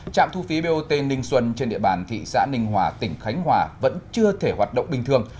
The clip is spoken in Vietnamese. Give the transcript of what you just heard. trạm thu phí bot ninh xuân trên địa bàn thị xã ninh hòa tỉnh khánh hòa vẫn chưa thể hoạt động bình thường